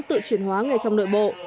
tự chuyển hóa người trong nội bộ